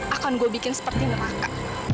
akan gue bikin seperti neraka